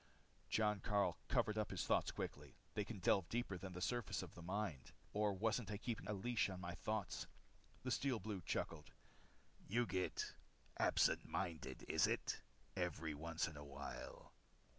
Jon Karyl covered up his thoughts quickly. They can delve deeper than the surface of the mind. Or wasn't I keeping a leash on my thoughts? The Steel Blue chuckled. "You get absent minded, is it? every once in a while."